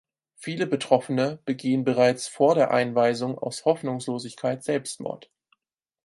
Viele Betroffene begehen bereits vor der Einweisung aus Hoffnungslosigkeit Selbstmord.